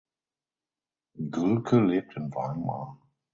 Gülke lebt in Weimar.